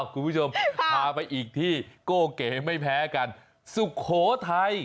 คุณผู้ชมพาไปอีกที่โก้เก๋ไม่แพ้กันสุโขทัย